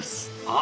あ！